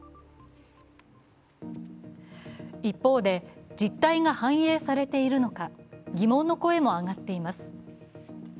一方で、実態が反映されているのか疑問の声も上がっています。